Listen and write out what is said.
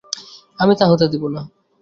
আমি তা হতে দিব না।